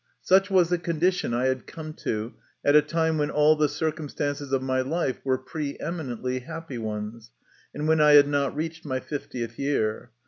Such was the condition I had come to, at a time when all the circumstances of my life were pre eminently happy ones, and when I had not reached my fiftieth year.